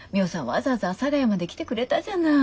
わざわざ阿佐ヶ谷まで来てくれたじゃない。